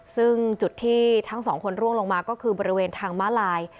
ซึ่งจุดที่ทั้งสองคนร่วงลงมาก็คือบริเวณทางม้าลาย